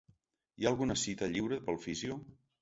Hi ha alguna cita lliure pel fisio?